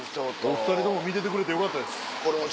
お２人とも見ててくれてよかったです。